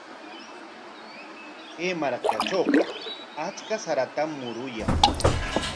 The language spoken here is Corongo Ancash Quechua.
Kay markatrawqa achka saratam muruyan.